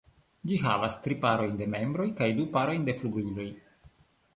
Ĝi havas tri parojn de membroj kaj du parojn de flugiloj.